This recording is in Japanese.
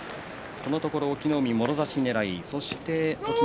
このところ隠岐の海もろ差しねらい、そして栃ノ